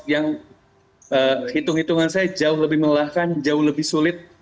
yang hitung hitungan saya jauh lebih melelahkan jauh lebih sulit